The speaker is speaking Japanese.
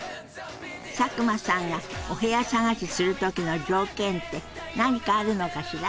佐久間さんがお部屋探しする時の条件って何かあるのかしら？